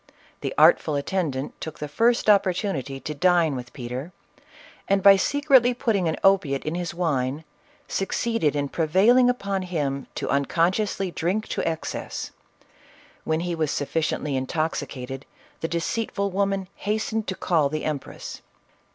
The artful attendant took the first opportuni ty to dine with Peter, and, by secretly putting an opi ate in his wine, succeeded in prevailing upon him to unconsciously drink to excess ; when he was sufficient ly intoxicated the deceitful woman hastened to call the empress.